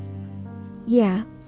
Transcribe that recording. memang tidak bisa dikendalikan